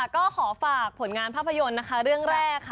ก็ขอฝากผลงานภาพยนตร์เรื่องแรก